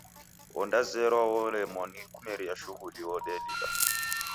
Wodazerwa wolemwa nikumeria shughulia wodelila.